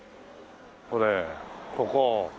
これここ。